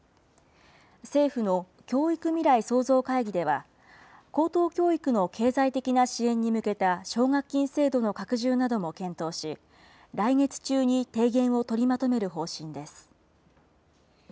政府の教育未来創造会議では、高等教育の経済的な支援に向けた奨学金制度の拡充なども検討し、来月中に提言を取りまとめる方針です。